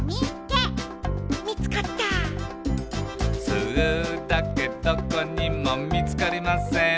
「スーだけどこにもみつかりません」